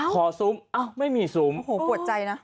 ซุ้มไม่มีซุ้มโอ้โหปวดใจนะ